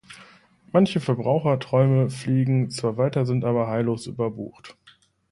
Manche Verbraucherträume fliegen zwar weiter, sind aber heillos überbucht.